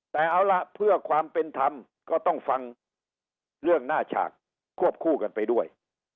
แต่เอาล่ะเพื่อความเป็นธรรมก็ต้องฟังเรื่องหน้าฉากควบคู่กันไปด้วย